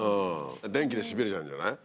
電気でしびれちゃうんじゃない？